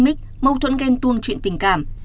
mâu thuẫn ghen tuông chuyện tình cảm